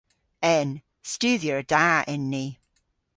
En. Studhyer da en ni.